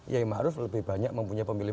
y ma'ruf lebih banyak mempunyai pemilih